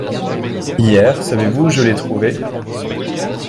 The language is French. Hier, savez-vous où je l’ai trouvé ?